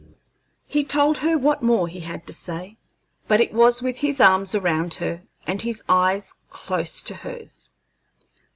He told her what more he had to say, but it was with his arms around her and his eyes close to hers.